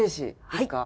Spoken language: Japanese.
はい。